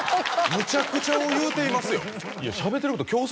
めちゃくちゃを言うていますよ。